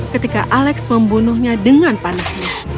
ketika alex membunuhnya dengan panasnya